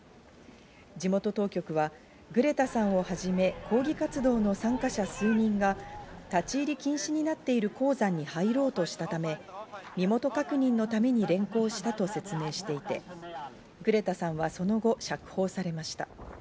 地元当局はグレタさんをはじめ、抗議活動の参加者数人が立ち入り禁止になっている鉱山に入ろうとしたため、身元確認のために連行したと説明していて、グレタさんはその後、釈放されました。